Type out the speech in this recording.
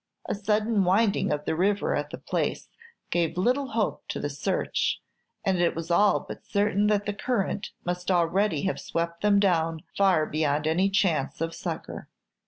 A sudden winding of the river at the place gave little hope to the search, and it was all but certain that the current must already have swept them down far beyond any chance of succor.